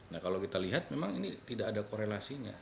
nah kalau kita lihat memang ini tidak ada korelasinya